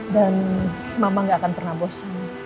dan mama gak akan pernah bosan